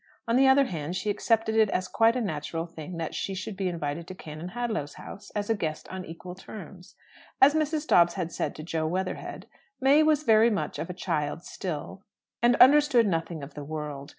On the other hand, she accepted it as a quite natural thing that she should be invited to Canon Hadlow's house as a guest on equal terms. As Mrs. Dobbs had said to Jo Weatherhead, May was very much of a child still, and understood nothing of the world.